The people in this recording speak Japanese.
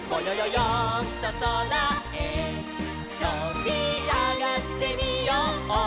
よんとそらへとびあがってみよう」